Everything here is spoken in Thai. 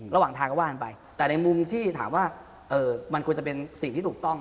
ระหว่างทางก็ว่ากันไปแต่ในมุมที่ถามว่ามันควรจะเป็นสิ่งที่ถูกต้อง